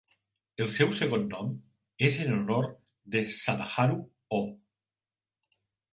El seu segon nom és en honor de Sadaharu Oh.